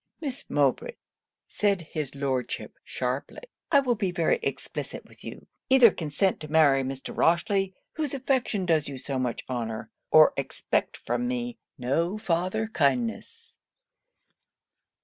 'Miss Mowbray,' said his Lordship sharply, 'I will be very explicit with you either consent to marry Mr. Rochely, whose affection does you so much honour, or expect from me no farther kindness.'